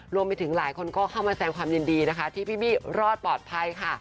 รวมไปถึงหลายคนก็เข้ามาแสงความยินดีนะคะที่พี่บี้รอดปลอดภัยค่ะ